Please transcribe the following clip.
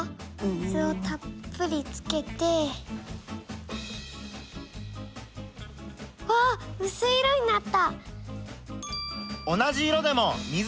水をたっぷりつけて。わうすい色になった！